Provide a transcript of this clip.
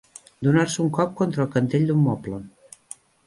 Donar-se un cop contra el cantell d'un moble.